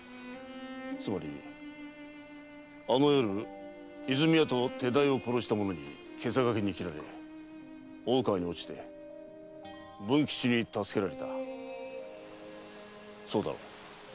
つまりあの夜和泉屋と手代を殺した者に袈裟懸けに斬られ大川に落ちて文吉に助けられたそうだろう？